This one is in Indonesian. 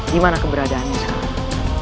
dimana keberadaannya sekarang